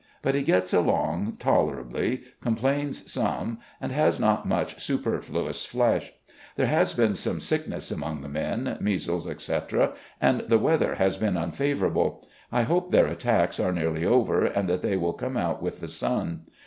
But he gets along tolerably, com plains some, and has not much superfluous flesh. There has been much sickness among the men — ^measles, etc. — and the weather has been unfavourable. I hope their attacks are nearly over, and that they will come out with the sun.